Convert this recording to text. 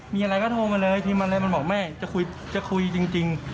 มีอะไรก็โทรมาเลยทีมันเลยบอกแม่จะคุยจริง